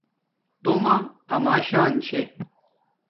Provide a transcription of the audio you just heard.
تومہ اما شان چھے